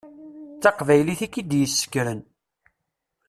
D taqbaylit i k-id-yessekren.